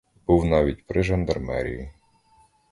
Був навіть при жандармерії.